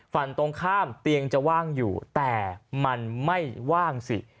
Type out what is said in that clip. ฝั่งตรงข้ามเตียงจะว่างอยู่แต่มันไม่ว่างสิ